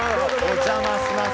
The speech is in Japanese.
お邪魔します。